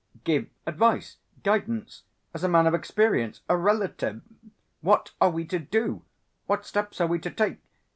"Give advice, guidance, as a man of experience, a relative! What are we to do? What steps are we to take?